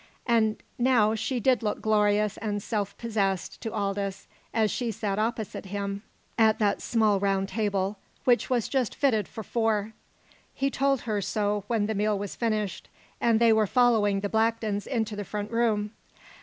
And now she did look glorious and self possessed to Aldous as she sat opposite him at that small round table, which was just fitted for four. He told her so when the meal was finished, and they were following the Blacktons into the front room.